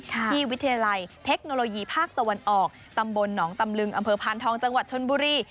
วิทยาลัยเทคโนโลยีภาคตะวันออกตำบลหนองตำลึงอำเภอพานทองจังหวัดชนบุรี